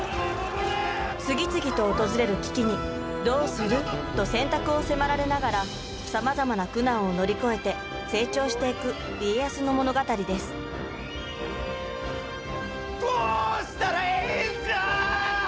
次々と訪れる危機に「どうする？」と選択を迫られながらさまざまな苦難を乗り越えて成長していく家康の物語ですどうしたらええんじゃあ！